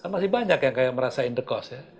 masih banyak yang kayak merasa in the cost ya